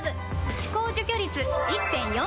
歯垢除去率 １．４ 倍！